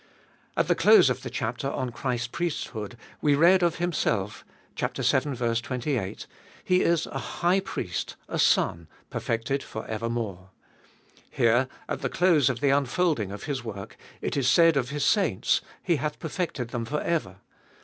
At the close of the chapter on Christ's priesthood we read of Himself (vii. 28) : He is a High Priest, a Son, perfected for evermore. Here at the close of the unfolding of His work, it is said of His saints : He hath perfected them for ever.